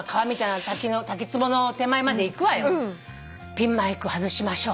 「ピンマイク外しましょう」